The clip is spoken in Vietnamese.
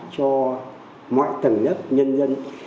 cho mọi tầng lớp nhân dân